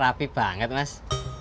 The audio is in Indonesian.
rapi banget mas